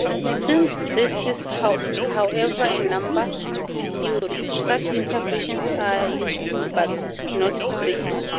Since this is, however, a number theory, such interpretations are useful, but not strict.